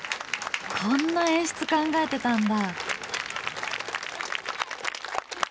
こんな演出考えてたんだ。